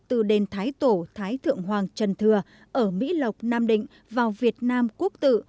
từ đền thái tổ thái thượng hoàng trần thừa ở mỹ lộc nam định vào việt nam quốc tự